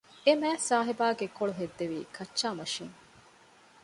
އެމާތްސާހިބާގެ ގެކޮޅު ހެއްދެވީ ކައްޗާ މަށީން